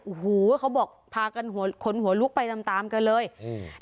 โอ้โหเขาบอกพากันหัวขนหัวลุกไปตามตามกันเลยอืม